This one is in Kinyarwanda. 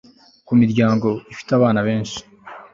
ku miryango ifite abana benshi